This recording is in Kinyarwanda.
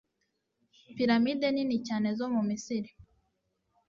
pyramide nini cyane zo mu misiri